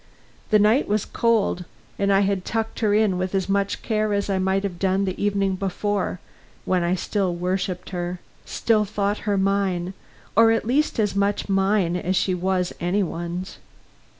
The night was cold, and I had tucked her in with as much care as I might have done the evening before, when I still worshiped her, still thought her mine, or at least as much mine as she was any one's.